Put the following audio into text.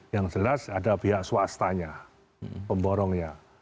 yang jelas ada pihak swastanya pemborongnya